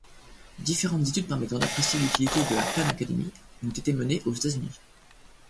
Différentes études permettant d'apprécier l'utilité de la Khan Academy ont été menées aux États-Unis.